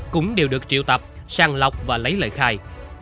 cũng đều được triệu tập sang lọc và lấy lời khai